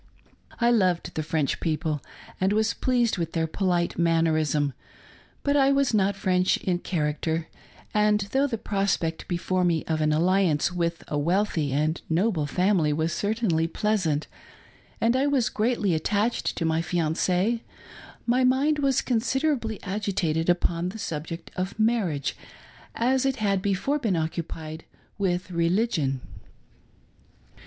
I loved the French people, and was pleased with their polite mannerism, but I was not French in character ; and though the prospect before me of an alliance with a wealthy and noble family was certainly pleasant, and I was greatly attached to vclj fiancde, my mind was considerably agitated upon the sub ject of marriage, as it had before been occupied with religion.